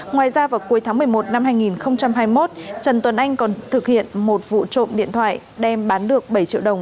ngoài ra vào cuối tháng một mươi một năm hai nghìn hai mươi một trần tuấn anh còn thực hiện một vụ trộm điện thoại đem bán được bảy triệu đồng